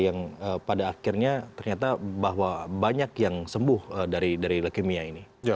yang pada akhirnya ternyata bahwa banyak yang sembuh dari leukemia ini